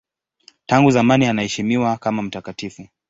Tangu zamani anaheshimiwa kama mtakatifu.